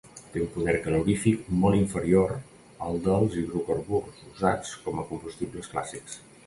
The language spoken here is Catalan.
Té un poder calorífic molt inferior al dels hidrocarburs usats com a combustibles clàssics.